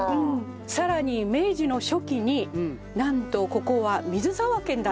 さらに明治の初期になんとここは。